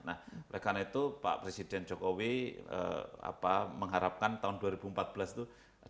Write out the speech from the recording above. nah oleh karena itu pak presiden jokowi mengharapkan tahun dua ribu empat belas itu